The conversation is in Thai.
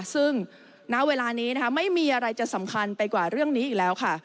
ซึ่งณเวลานี้ไม่มีอะไรจะสำคัญไปกว่าเรื่องนี้อีกแล้วค่ะ